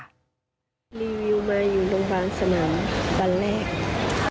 ตรงนี้เข้ามานั่งรอข้าวด้วยค่ะ